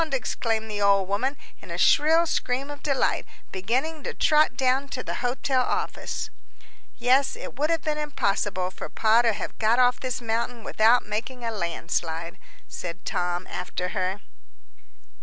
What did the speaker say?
exclaimed the old woman, in a shrill scream of delight, beginning to trot down to the hotel office. "Yes, it would have been impossible for Pa to have got off this mountain without making a landslide," said Tom, after her.